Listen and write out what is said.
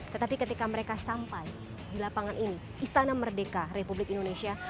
tetapi ketika mereka sampai di lapangan ini istana merdeka republik indonesia